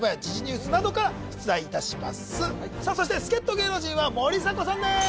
そして助っ人芸能人は森迫さんです